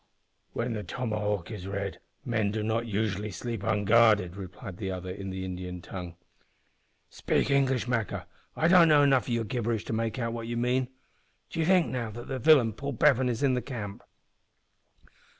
"When the tomahawk is red men do not usually sleep unguarded," replied the other, in the Indian tongue. "Speak English, Maqua, I don't know enough o' your gibberish to make out what you mean. Do you think, now, that the villain Paul Bevan is in the camp?"